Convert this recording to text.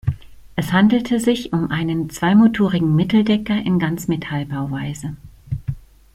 Es handelte sich um einen zweimotorigen Mitteldecker in Ganzmetallbauweise.